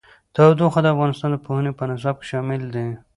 تودوخه د افغانستان د پوهنې په نصاب کې شامل دي.